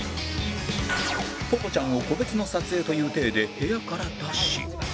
ぽぽちゃんを個別の撮影という体で部屋から出し